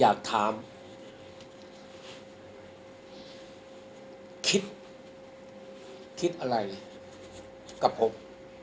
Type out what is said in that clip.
อยากถามคิดคิดอะไรกับผม